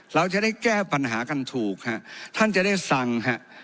เราจะได้แก้ปัญหากันถูกฮะท่านจะได้สั่งฮะ